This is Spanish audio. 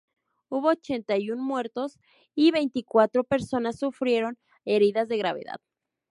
Hubo ochenta y un muertos y veinticuatro personas sufrieron heridas de gravedad.